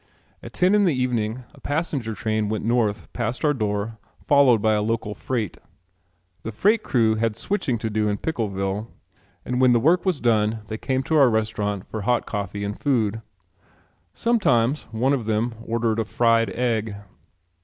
At ten in the evening a passenger train went north past our door followed by a local freight. The freight crew had switching to do in Pickleville and when the work was done they came to our restaurant for hot coffee and food. Sometimes one of them ordered a fried egg.